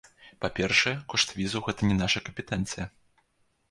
Па-першае, кошт візаў гэта не наша кампетэнцыя.